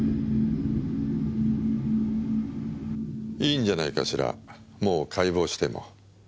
いいんじゃないかしらもう解剖しても。